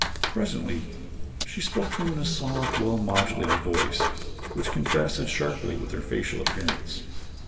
Presently she spoke to him in a soft, well modulated voice which contrasted sharply with her facial appearance.